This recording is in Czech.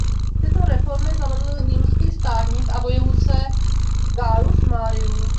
Tyto reformy zavedl římský státník a vojevůdce Gaius Marius.